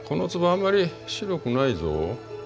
あんまり白くないぞ。